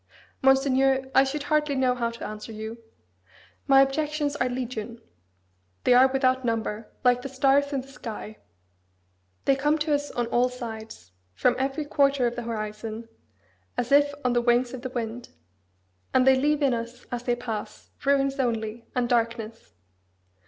Monseigneur, I should hardly know how to answer you. My objections are 'Legion!' They are without number, like the stars in the sky: they come to us on all sides, from every quarter of the horizon, as if on the wings of the wind; and they leave in us, as they pass, ruins only, and darkness.